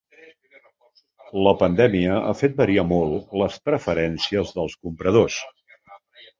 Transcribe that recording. La pandèmia ha fet variar molt les preferències dels compradors.